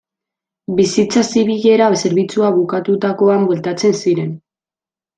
Bizitza zibilera zerbitzua bukatutakoan bueltatzen ziren.